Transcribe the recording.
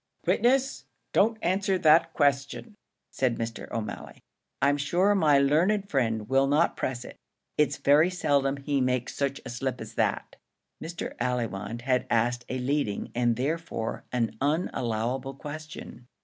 "Witness, don't answer that question," said Mr. O'Malley. "I'm sure my learned friend will not press it; it's very seldom he makes such a slip as that." Mr. Allewinde had asked a leading, and therefore an unallowable question.